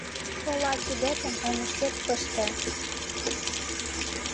— Шола кидетым оҥышкет пыште...